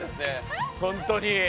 本当に。